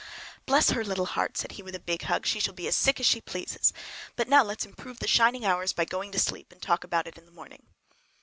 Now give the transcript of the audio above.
"Bless her little heart!" said he with a big hug; "she shall be as sick as she pleases! But now let's improve the shining hours by going to sleep, and talk about it in the morning!"